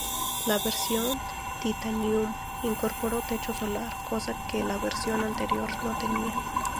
La versión Titanium, incorporó techo solar, cosa que la versión anterior no tenía.